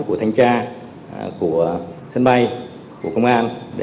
của thành tra của sân bay của công an